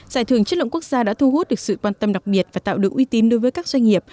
giải thưởng chất lượng quốc gia đã thu hút được sự quan tâm đặc biệt và tạo được uy tín đối với các doanh nghiệp